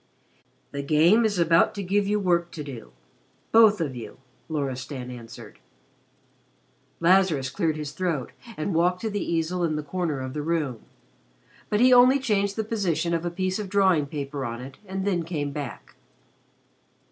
"The Game is about to give you work to do both of you," Loristan answered. Lazarus cleared his throat and walked to the easel in the corner of the room. But he only changed the position of a piece of drawing paper on it and then came back.